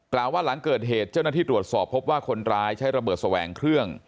กล่าวว่าหลังเกิดเหตุเจ้าหน้าที่ตรวจสอบพบว่าคนร้ายใช้ระเบิดแสวงเครื่อง